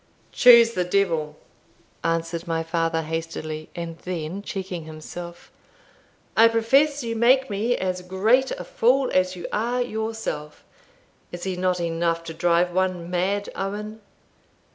"Choose the d l!" answered my father, hastily, and then checking himself "I profess you make me as great a fool as you are yourself. Is he not enough to drive one mad, Owen?"